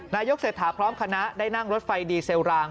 นายกเศรษฐาพร้อมคณะได้นั่งรถไฟดีเซลราง